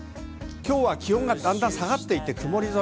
気温がだんだん下がっていて曇り空。